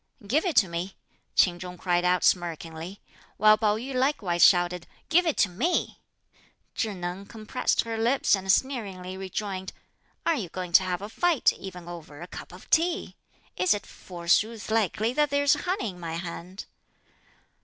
"Give it to me," Ch'in Chung cried out smirkingly; while Pao yü likewise shouted: "Give it to me." Chih Neng compressed her lips and sneeringly rejoined, "Are you going to have a fight even over a cup of tea? Is it forsooth likely that there's honey in my hand?"